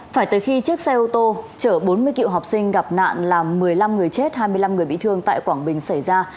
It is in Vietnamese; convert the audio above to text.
phải tới khi chiếc xe ô tô chở bốn mươi cựu học sinh gặp nạn làm một mươi năm người chết hai mươi năm người bị thương tại quảng bình xảy ra